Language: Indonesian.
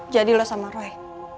jadi lu sama roy